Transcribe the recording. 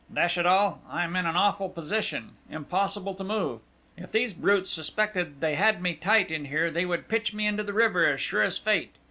"Dash it all! I am in an awful position! Impossible to move! If these brutes suspected they had me tight in here they would pitch me into the river as sure as Fate!